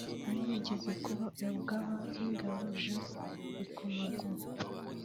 n’uwigeze kuba umugaba w’ingabo Jean Bikomagu